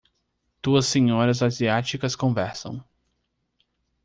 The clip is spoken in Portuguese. duas senhoras asiáticas conversam.